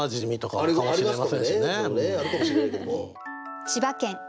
あるかもしれないけども。